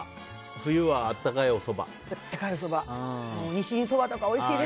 冬は温かいおそばで。